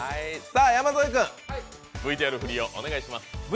山添君、ＶＴＲ振りをお願いします。